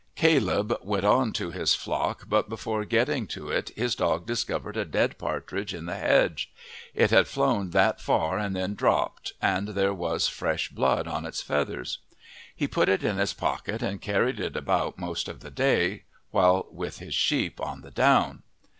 Caleb went on to his flock, but before getting to it his dog discovered a dead partridge in the hedge; it had flown that far and then dropped, and there was fresh blood on its feathers. He put it in his pocket and carried it about most of the day while with his sheep on the down.